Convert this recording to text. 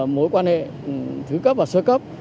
mối quan hệ thứ cấp và sơ cấp